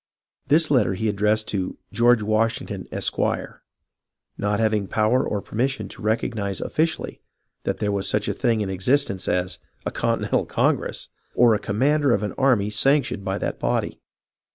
This letter he addressed to "George Washington, Esq.," not having power or permis I06 HISTORY OF THE AMERICAN REVOLUTION sion to recognize officially that there was such a thing in existence as a " Continental Congress," or a commander of an army sanctioned by that body.